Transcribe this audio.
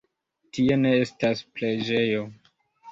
Tie ne estas preĝejo.